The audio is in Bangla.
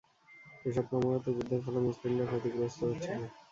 এসব ক্রমাগত যুদ্ধের ফলে মুসলিমরা ক্ষতিগ্রস্ত হচ্ছিল।